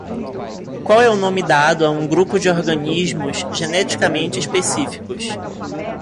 Qual é o nome dado a um grupo de organismos geneticamente específicos?